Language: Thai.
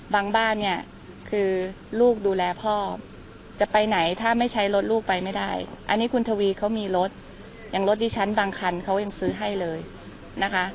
บ้านเนี่ยคือลูกดูแลพ่อจะไปไหนถ้าไม่ใช้รถลูกไปไม่ได้อันนี้คุณทวีเขามีรถอย่างรถดิฉันบางคันเขายังซื้อให้เลยนะคะ